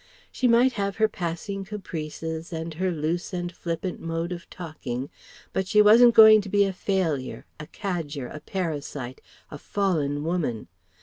She might have her passing caprices and her loose and flippant mode of talking, but she wasn't going to be a failure, a cadger, a parasite, a "fallen" woman.